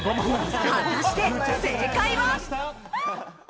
果たして正解は。